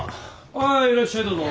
ああいらっしゃいどうぞ。